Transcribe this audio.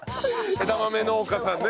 枝豆農家さんね。